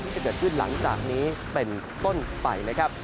จะเกิดขึ้นหลังจากนี้เป็นต้นไปนะครับ